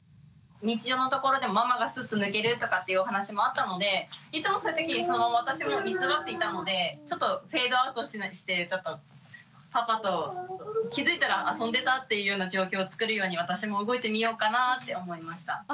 日常のところでママがすっと抜けるとかっていうお話もあったのでいつもそういう時に私も居座っていたのでちょっとフェードアウトしてちょっとパパと気付いたら遊んでたっていうような状況をつくるように私も動いてみようかなぁって思いました。